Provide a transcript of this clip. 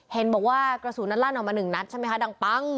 เห็นบอกว่ากระสุนนั้นลั่นออกมาหนึ่งนัดใช่ไหมคะดังปั้ง